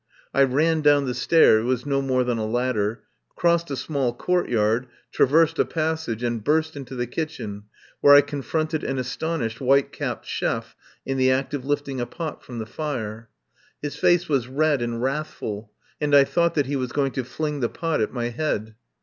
I ran down the stair — it was no more than a ladder — crossed a small courtyard, traversed a passage, and burst into the kitchen, where I confronted an astonished white capped chef in the act of lifting a pot from the fire. His face was red and wrathful, and I thought that he was going to fling the pot at my head.